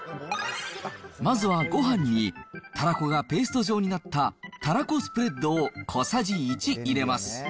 まずはごはんにたらこがペースト状になったたらこスプレッド